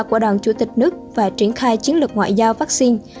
của đoàn chủ tịch nước và triển khai chiến lược ngoại giao vaccine